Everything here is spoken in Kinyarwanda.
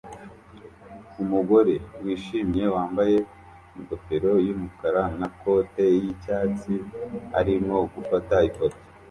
Umugore wishimye wambaye ingofero yumukara na kote yicyatsi arimo gufata ifoto